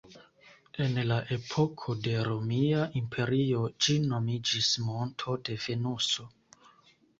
En la epoko de Romia Imperio ĝi nomiĝis Monto de Venuso.